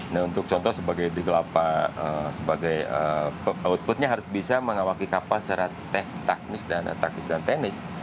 nah untuk contoh sebagai di kelapa outputnya harus bisa mengawal kapal secara teknis dan teknis